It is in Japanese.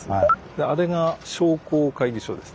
であれが商工会議所です。